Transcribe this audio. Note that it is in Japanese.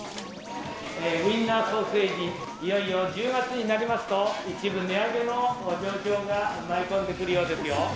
ウインナーソーセージ、いよいよ１０月になりますと、一部値上げの状況が舞い込んでく